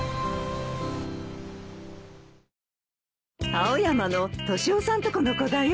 青山のトシオさんのとこの子だよ。